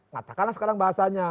katakanlah sekarang bahasanya